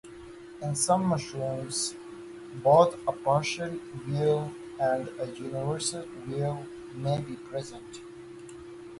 In some mushrooms, both a partial veil and a universal veil may be present.